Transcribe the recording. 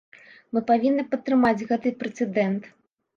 Мы павінны падтрымаць гэты прэцэдэнт.